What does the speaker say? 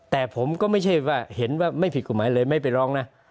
แต่ผมก็ไม่ใช่ว่าเห็นว่าไม่ผิดกฎหมายเลยไม่ไปร้องนะ